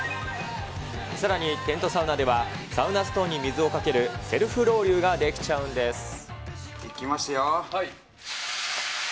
さらに、テントサウナでは、サウナストーンに水をかける、セルフロウリュウができちゃうんいきますよ。